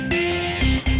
terima kasih bu